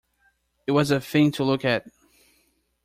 It was a thing to look at.